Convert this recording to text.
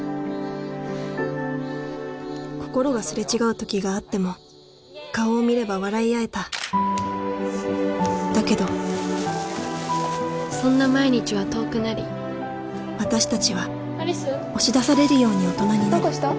心がすれ違う時があっても顔を見れば笑い合えただけどそんな毎日は遠くなり私達は押し出されるように大人になるどうかした？